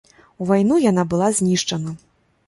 У вайну яна была знішчана.